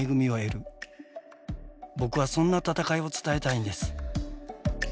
僕はそんな闘いを伝えたいんです。